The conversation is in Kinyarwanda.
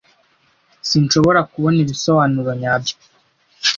Sinshobora kubona ibisobanuro nyabyo